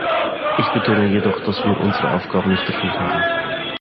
Ich betone jedoch, dass wir unsere Aufgabe nicht erfüllt haben.